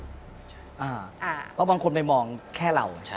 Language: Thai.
เพราะบางคนไปมองแค่เรา